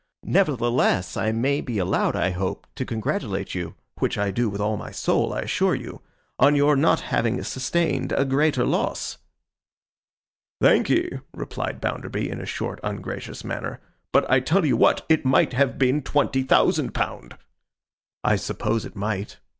Nevertheless, I may be allowed, I hope, to congratulate you—which I do with all my soul, I assure you—on your not having sustained a greater loss.' 'Thank'ee,' replied Bounderby, in a short, ungracious manner. 'But I tell you what. It might have been twenty thousand pound.' 'I suppose it might.